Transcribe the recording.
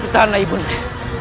tahanlah ibu nda